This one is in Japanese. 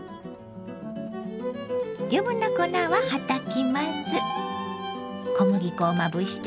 余分な粉ははたきます。